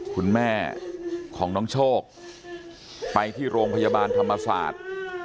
คุณแม่ของน้องโชคไปที่โรงพยาบาลธรรมศาสตร์